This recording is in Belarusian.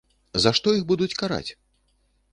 За што іх будуць караць?